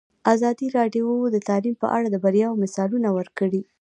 ازادي راډیو د تعلیم په اړه د بریاوو مثالونه ورکړي.